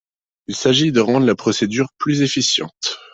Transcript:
Il s’agit de rendre la procédure plus efficiente.